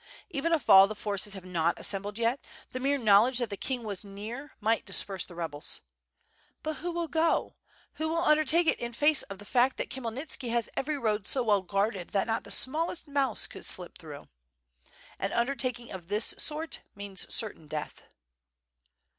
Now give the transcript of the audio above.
Even if all the forces have not assembled yet, the mere knowledge that the king was near might disperse the rebels. But who will go, who will undertake it in face of the fact that Khmyelnitski has every road so well guarded that not the smallest mouse could slip through? An undertaking of this sort means certain death."